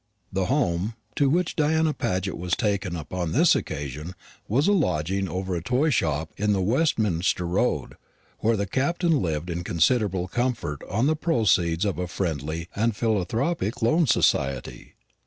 The "home" to which Diana Paget was taken upon this occasion was a lodging over a toyshop in the Westminster road, where the Captain lived in considerable comfort on the proceeds of a Friendly and Philanthropic Loan Society.